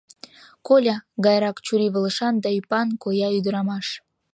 Коля гайрак чурийвылышан да ӱпан, коя ӱдырамаш.